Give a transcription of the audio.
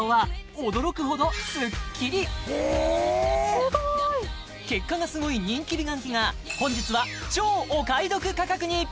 スゴい結果がスゴい人気美顔器が本日は超お買い得価格に！